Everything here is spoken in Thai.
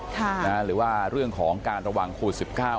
ค่ะนะหรือว่าเรื่องของการระวังโคศิก้าว